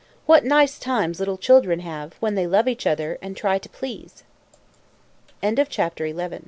What nice times little children have, when they love each other, and try to please! THE POO